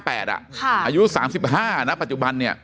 อายุ๓๕นะปัจจุบันเนี่ย